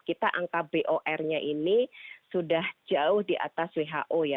kita angka bor nya ini sudah jauh di atas who ya